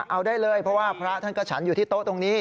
เอาได้เลยเพราะว่าพระท่านก็ฉันอยู่ที่โต๊ะตรงนี้